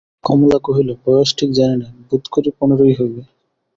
কমলা কহিল, বয়স ঠিক জানি না, বোধ করি, পনেরোই হইবে।